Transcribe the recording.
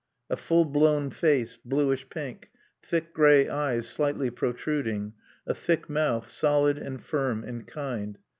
A full blown face, bluish pink; thick gray eyes slightly protruding; a thick mouth, solid and firm and kind.